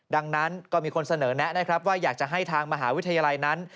ดังนั้นก็มีคนเสนอแนะนะครับว่าอยากจะให้ทางมหาวิทยาลัยนั้น